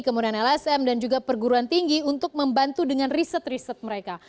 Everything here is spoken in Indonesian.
kemudian lsm dan juga perguruan tinggi untuk membantu dengan riset riset mereka